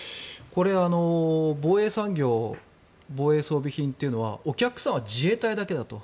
これ、防衛産業防衛装備品というのはお客さんは自衛隊だけだと。